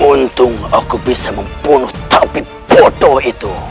untung aku bisa membunuh tapi foto itu